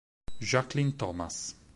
Jacqueline Thomas